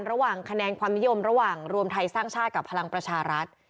ระหว่างคะแนนความนิยมระหว่างรวมไทยสร้างชาติกับพลังประชารัฐ